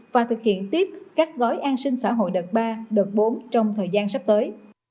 và thực hiện tiếp các gói an sinh xã hội đợt ba đợt bốn trong thời gian sắp tới